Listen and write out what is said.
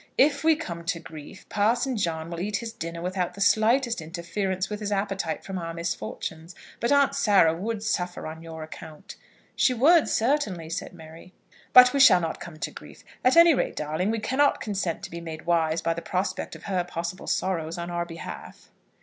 If we come to grief, Parson John will eat his dinner without the slightest interference with his appetite from our misfortunes; but Aunt Sarah would suffer on your account." "She would, certainly," said Mary. "But we will not come to grief. At any rate, darling, we cannot consent to be made wise by the prospect of her possible sorrows on our behalf."